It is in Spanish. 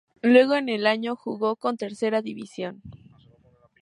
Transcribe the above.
Luego en el año jugó con Tercera División.